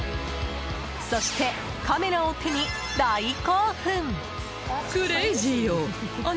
そして、カメラを手に大興奮。